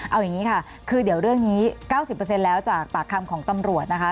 เอาอย่างนี้ค่ะคือเดี๋ยวเรื่องนี้๙๐แล้วจากปากคำของตำรวจนะคะ